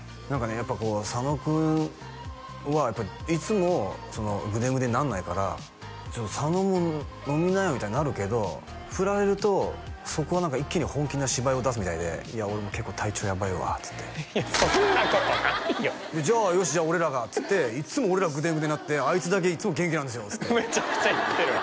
やっぱこう佐野君はいつもぐでんぐでんになんないからちょっと佐野も飲みなよみたいになるけど振られるとそこは一気に本気の芝居を出すみたいで「いや俺結構体調やばいわ」っつっていやそんなことないよ「じゃあよし俺らが」っつっていつも俺らぐでんぐでんになってあいつだけいつも元気なんですよっつってめちゃくちゃ言ってるわ